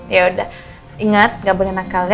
ya udah inget nggak boleh nakal ya